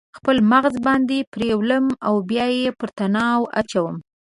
خپل مغز باندې پریولم او بیا یې پر تناو اچوم